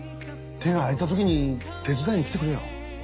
手が空いたときに手伝いに来てくれよ。